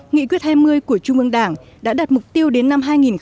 nghị quyết hai mươi của trung ương đảng đã đặt mục tiêu đến năm hai nghìn hai mươi